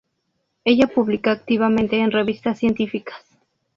Ella publica activamente en revistas científicas.